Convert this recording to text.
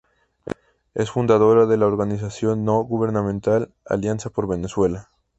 Es fundadora de la organización no gubernamental, Alianza por Venezuela.